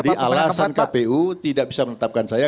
jadi alasan kpu tidak bisa menetapkan saya